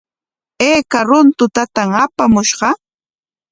¿Ayka runtutam apamushqa?